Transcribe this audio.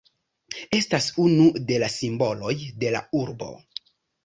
Estas unu de la simboloj de la urbo.